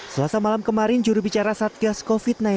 selasa malam kemarin jurubicara satgas covid sembilan belas